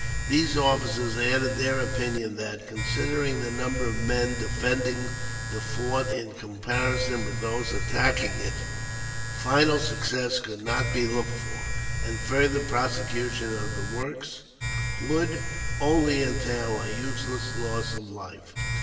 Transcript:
These officers added their opinion that, considering the number of men defending the fort in comparison with those attacking it, final success could not be looked for, and further prosecution of the works would only entail a useless loss of life.